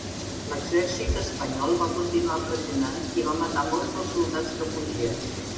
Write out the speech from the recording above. L'exèrcit espanyol va continuar pressionant i va matar molts dels soldats que fugien.